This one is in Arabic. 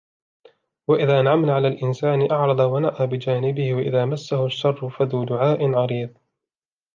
وَإِذَا أَنْعَمْنَا عَلَى الْإِنْسَانِ أَعْرَضَ وَنَأَى بِجَانِبِهِ وَإِذَا مَسَّهُ الشَّرُّ فَذُو دُعَاءٍ عَرِيضٍ